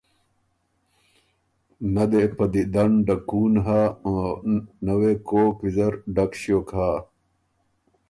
نۀ دې په دیدن ډکُون هۀ او نۀ وې کوک ویزر ډک ݭیوک هۀ۔